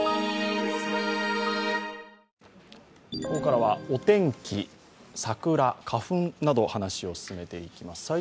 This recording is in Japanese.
ここからはお天気、桜、花粉など、話を進めていきます。